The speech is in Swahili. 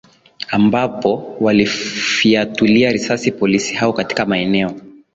ambapo waliwafiatulia risasi polisi hao katika maeneo